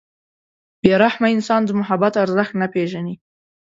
• بې رحمه انسان د محبت ارزښت نه پېژني.